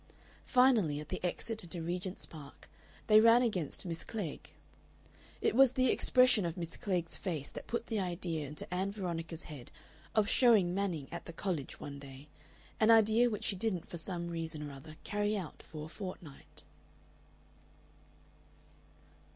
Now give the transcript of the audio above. Finally, at the exit into Regent's Park, they ran against Miss Klegg. It was the expression of Miss Klegg's face that put the idea into Ann Veronica's head of showing Manning at the College one day, an idea which she didn't for some reason or other carry out for a fortnight.